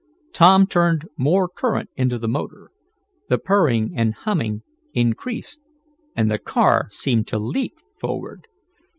Tom turned more current into the motor. The purring and humming increased, and the car seemed to leap forward.